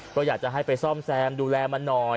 ก็อยากจะให้ไปซ่อมแซมดูแลมันหน่อย